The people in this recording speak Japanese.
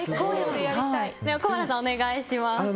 小原さん、お願いします。